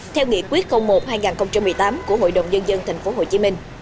theo nghị quyết một hai nghìn một mươi tám của hội đồng nhân dân tp hcm